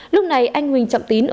lúc này anh huỳnh trọng tín ở gần đó